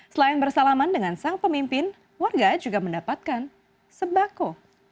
selain bersalaman dengan sang pemimpin warga juga mendapatkan sebako